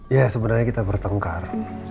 ya sebenarnya kita bertengkar